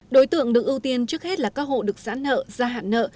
đối tượng được ưu tiên trước hết là các hộ được giãn nợ gia hạn nợ